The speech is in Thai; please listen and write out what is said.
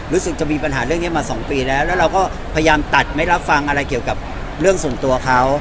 รู้สึกจะมีปัญหาเรื่องนี้มา๒ปีแล้วแล้วเราก็พยายามตัดไม่รับฟังอะไรเกี่ยวกับเรื่องส่วนตัวเขา